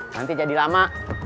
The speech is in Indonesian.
nanti jadi lama